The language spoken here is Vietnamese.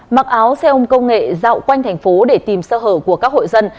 mặc áo xe ôm công nghệ dạo quanh thành phố để tìm sơ hở của các hội dân